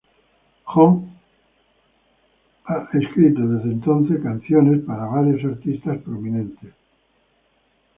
Jon ha desde entonces escrito canciones para varios artistas prominentes.